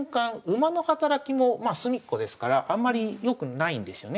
馬の働きもまあ隅っこですからあんまりよくないんですよね。